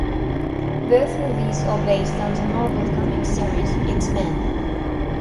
Both movies are based on the Marvel Comics series "X-Men".